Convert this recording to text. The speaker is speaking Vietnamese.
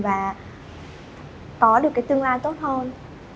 và có được tương lai tốt hơn